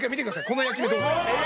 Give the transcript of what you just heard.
この焼き目どうですか？